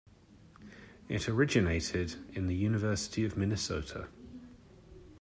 It originated in the University of Minnesota.